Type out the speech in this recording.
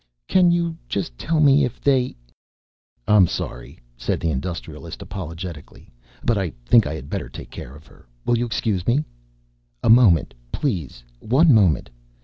"Can you just tell me if they " "I'm sorry," said the Industrialist, apologetically, "but I think I had better take care of her. Will you excuse me?" "A moment. Please. One moment.